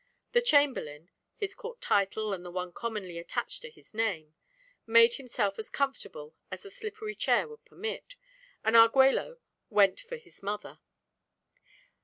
The Chamberlain (his court title and the one commonly attached to his name) made himself as comfortable as the slippery chair would permit, and Arguello went for his mother.